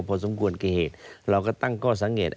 พอสมควรกี่เหตุเราก็ตั้งข้อสังเกต